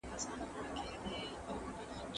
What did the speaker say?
زه کتابتون ته نه راځم!